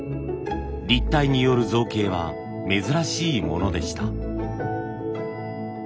立体による造形は珍しいものでした。